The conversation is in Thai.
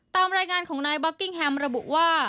ตามรายงานของนายบ็อกกิ้งแฮมระบุว่า